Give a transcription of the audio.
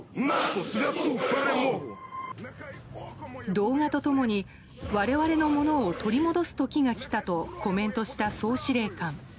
動画と共に、我々のものを取り戻す時が来たとコメントした総司令官。